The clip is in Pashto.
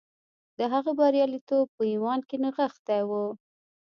د هغه برياليتوب په ايمان کې نغښتی و.